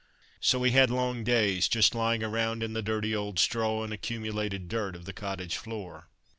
So we had long days, just lying around in the dirty old straw and accumulated dirt of the cottage floor.